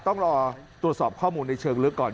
ต้องรอตรวจสอบข้อมูลในเชิงลึกก่อน